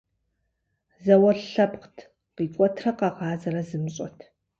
ЗауэлӀ лъэпкът, къикӀуэтрэ къэгъазэрэ зымыщӀэт.